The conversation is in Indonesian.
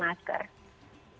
masih diwajibkan untuk pakai masker